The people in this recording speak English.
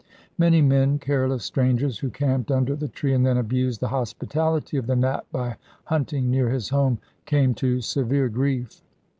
Many men, careless strangers, who camped under the tree and then abused the hospitality of the Nat by hunting near his home, came to severe grief.